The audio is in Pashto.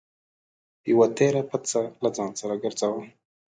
یوه تېره پڅه له ځان سره ګرځوه.